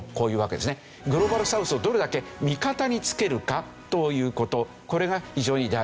グローバルサウスをどれだけ味方につけるかという事これが非常に大事だ。